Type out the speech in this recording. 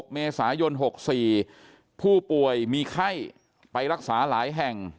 เมษายน๖๔ผู้ป่วยมีไข้ไปรักษาหลายแห่ง